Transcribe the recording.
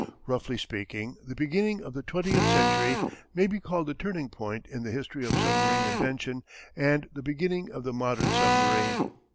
Roughly speaking, the beginning of the twentieth century may be called the turning point in the history of submarine invention and the beginning of the modern submarine.